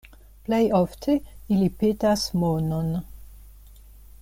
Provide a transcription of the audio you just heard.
Plej ofte ili petas monon.